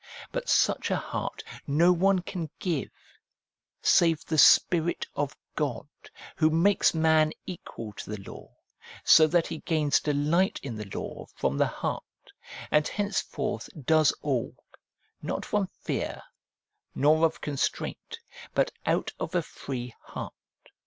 But such a heart no one can give, save the Spirit of God, who makes man equal to the law, so that he gains delight in the law from the heart, and henceforth does all, not from fear, nor of constraint, but out of a free heart.